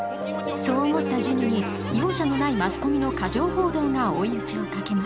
そう思ったジュニに容赦のないマスコミの過剰報道が追い打ちをかけます。